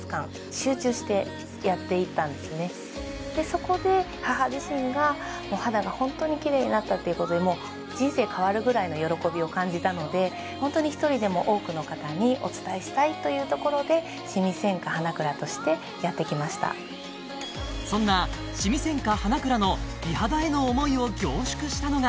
そこで母自身が肌が本当にきれいになったっていうことで人生変わるぐらいの喜びを感じたのでホントに一人でも多くの方にお伝えしたいというところでそんなシミ専科花蔵の美肌への思いを凝縮したのが